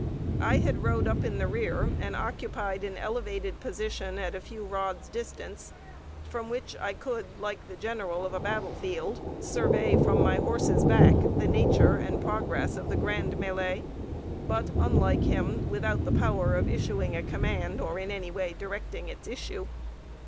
I had rode up in the rear and occupied an elevated position at a few rods' distance, from which I could (like the general of a battlefield) survey from my horse's back the nature and the progress of the grand mêlée, but (unlike him) without the power of issuing a command or in any way directing its issue.